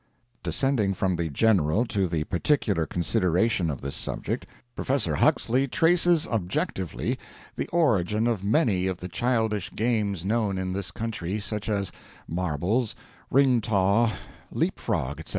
Descending from the general to the particular consideration of this subject, Professor Huxley traces objectively the origin of many of the childish games known in this country, such as marbles, ring taw, leap frog, etc.